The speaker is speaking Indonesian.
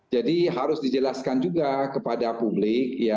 jadi harus dijelaskan juga kepada publik